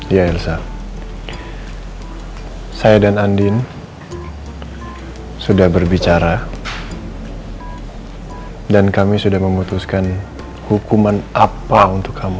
ya irsa saya dan andin sudah berbicara dan kami sudah memutuskan hukuman apa untuk kamu